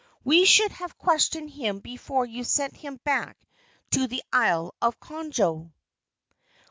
"We should have questioned him before you sent him back to the Isle of Conjo."